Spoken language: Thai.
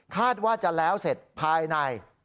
คาดว่าจะแล้วเสร็จภายใน